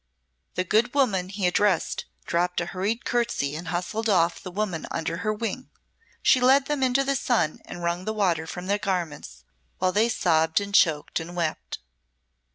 The good woman he addressed dropped a hurried curtsey and hustled off the woman under her wing. She led them into the sun and wrung the water from their garments, while they sobbed and choked and wept.